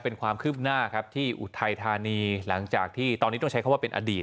เป็นความคืบหน้าครับที่อุทัยธานีหลังจากที่ตอนนี้ต้องใช้คำว่าเป็นอดีต